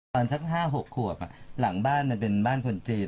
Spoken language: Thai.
สัก๕๖ขวบหลังบ้านมันเป็นบ้านคนจีน